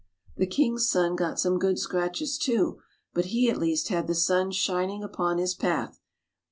The king's son got some good scratches too, but he at least had the sun shining upon his path.